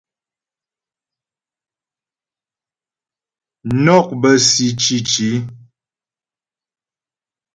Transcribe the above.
Mnɔk bə́ si cǐci.